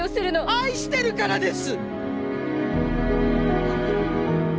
愛してるからです！